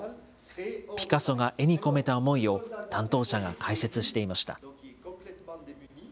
ピカソが絵に込めた思いを担当者が解説していました。